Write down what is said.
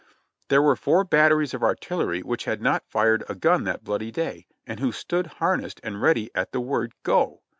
There were four batteries of artillery which had not fired a gun that bloody day, and who stood harnessed and ready at the word "Go